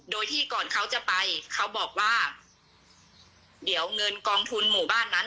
โดยที่ก่อนเขาจะไปเขาบอกว่าเดี๋ยวเงินกองทุนหมู่บ้านนั้น